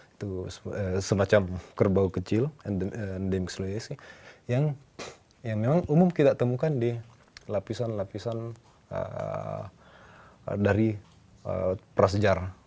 itu semacam kerbau kecil and slows yang memang umum kita temukan di lapisan lapisan dari prasejarah